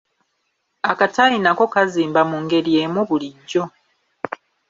Akataayi nako kazimba mu ngeri emu bulijjo.